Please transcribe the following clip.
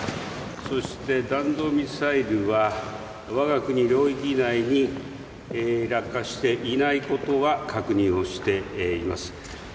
そして弾道ミサイルはわが国領域内に落下していないことは確認をしています。